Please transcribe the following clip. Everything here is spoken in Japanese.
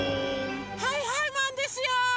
はいはいマンですよ！